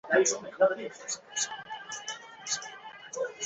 不溶于醇。